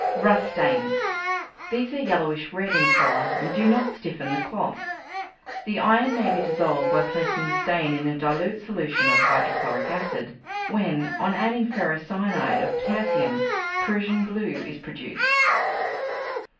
=Rust Stains.= These are yellowish red in colour, and do not stiffen the cloth. The iron may be dissolved by placing the stain in a dilute solution of hydrochloric acid, when, on adding ferrocyanide of potassium, Prussian blue is produced.